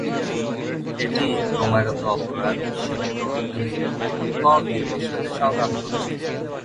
এটি ক্রমাগত অপরাধ, সীমিত অর্থনীতি এবং কর ভিত্তির সাথে সংগ্রাম করেছে।